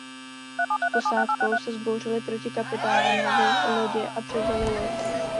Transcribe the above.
S posádkou se vzbouřili proti kapitánovi lodě a převzali loď.